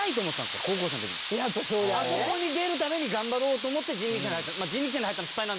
あれなんか俺あそこに出るために頑張ろうと思って人力舎に入った。